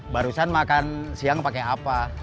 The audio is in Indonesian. barusan makan siang pakai apa